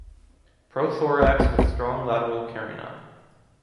Prothorax with strong lateral carina.